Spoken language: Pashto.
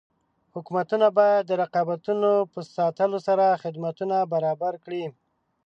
حکومتونه باید د رقابتونو په ساتلو سره خدمتونه برابر کړي.